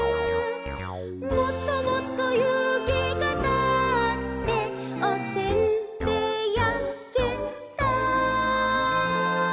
「もっともっと湯気がたっておせんべいやけた」